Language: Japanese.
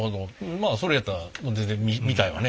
まあそれやったら全然見たいわね。